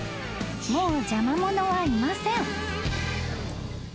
もう邪魔者はいません］